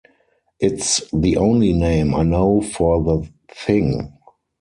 It's the only name I know for the thing.